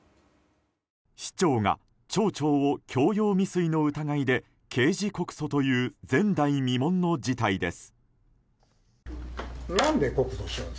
市長が町長を強要未遂の疑いで刑事告訴という前代未聞の事態です。